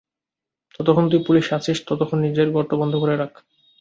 যতক্ষণ তুই পুলিশে আছিস ততক্ষণ নিজের গর্ত বন্ধ করে রাখ।